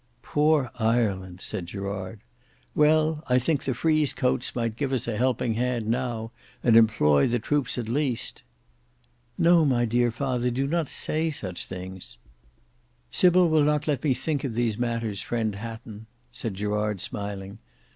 "Poor Ireland!" said Gerard. "Well, I think the frieze coats might give us a helping hand now, and employ the troops at least." "No, my dear father, say not such things." "Sybil will not let me think of these matters friend Hatton," said Gerard smiling.